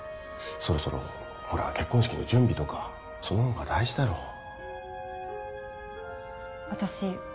そろそろほら結婚式の準備とかその方が大事だろ私